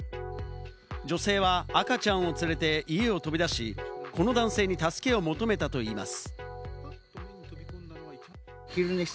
女性は赤ちゃんを連れて家を飛び出し、この男性に助けを求めたといいます。